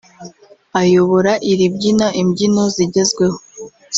ayobora iribyina imbyino zigezweho